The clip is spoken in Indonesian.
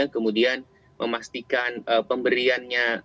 kemudian memastikan pemberiannya